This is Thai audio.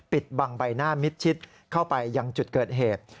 ปิดบังใบหน้ามิดชิดเข้าไปยังจุดเกิดเหตุ